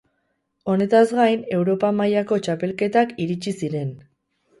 Honetaz gain Europa mailako txapelketak iritsi ziren.